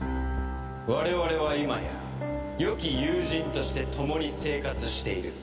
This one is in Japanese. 「我々は今や良き友人として共に生活している」